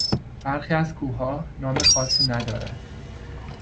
برخی از کوهها نام خاصی ندارند.